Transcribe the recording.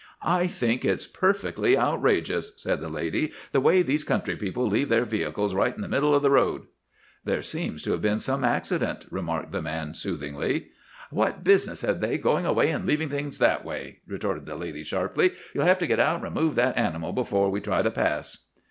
"'I think it's perfectly outrageous,' said the lady, 'the way these country people leave their vehicles right in the middle of the road.' "'There seems to have been some accident,' remarked the man soothingly. "'What business had they going away and leaving things that way?' retorted the lady sharply. 'You'll have to get out and remove that animal before we try to pass.